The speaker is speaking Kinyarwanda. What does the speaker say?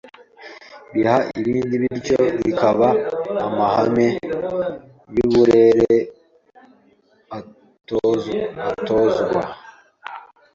biha ibindi, bityo bikaba amahame y’uburere atozwa